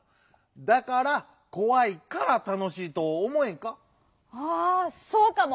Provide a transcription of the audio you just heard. だから「こわいからたのしい」とおもえんか？